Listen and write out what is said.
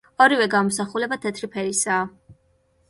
ორივე გამოსახულება თეთრი ფერისაა.